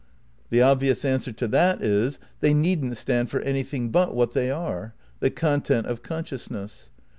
The obvious answer to that is: They needn't stand for anything but what they are, the content of consciousness.